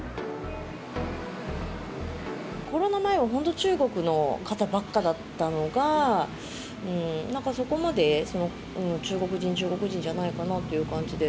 コロナ前は本当、中国の方ばっかだったのが、なんかそこまで、中国人、中国人じゃないかなという感じで。